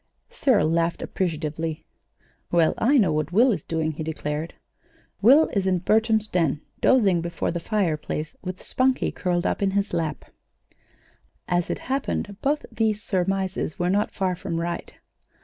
Cyril laughed appreciatively. "Well, I know what Will is doing," he declared. "Will is in Bertram's den dozing before the fireplace with Spunkie curled up in his lap." As it happened, both these surmises were not far from right.